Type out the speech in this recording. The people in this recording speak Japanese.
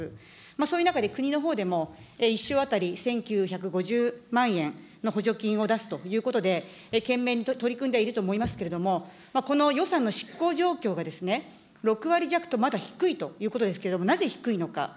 そういう中で国のほうでも、１床当たり１９５０万円の補助金を出すということで、懸命に取り組んでいると思いますけれども、この予算の執行状況が６割弱と、まだ低いということですけれども、なぜ低いのか。